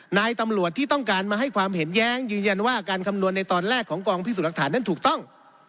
นายตำรวจที่ต้องการมาให้ความเห็นแย้งยืนยันว่าการคำนวณในตอนแรกของกองพิสูจน์หลักฐานนั้นถูกต้อง